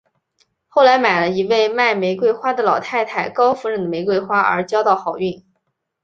后来买了一位卖玫瑰花的老太太高夫人的玫瑰花而交到好运。